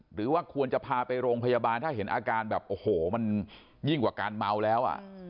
หรือว่าควรจะพาไปโรงพยาบาลถ้าเห็นอาการแบบโอ้โหมันยิ่งกว่าการเมาแล้ว